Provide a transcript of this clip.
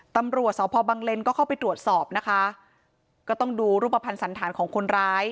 ตำรวจสพบังเลนก็เข้าไปตรวจสอบนะคะก็ต้องดูรูปภัณฑ์สันธารของคนร้าย